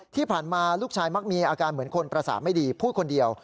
ที่ผ่านมาลูกชายมักมีอาการเหมือนคนประสาทไม่ดีพูดคนเดียว